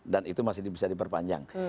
dan itu masih bisa diperpanjang